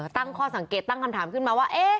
ตั้งข้อสังเกตตั้งคำถามขึ้นมาว่า